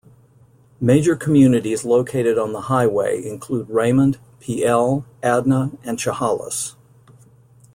Major communities located on the highway include Raymond, Pe Ell, Adna and Chehalis.